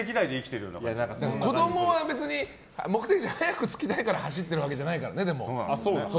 子供は別に目的地に早く着きたいから走ってるわけじゃないからね。